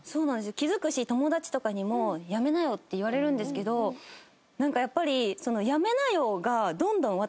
気付くし友達とかにも「やめなよ」って言われるんですけどなんかやっぱりその。